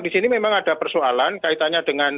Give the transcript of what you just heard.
di sini memang ada persoalan kaitannya dengan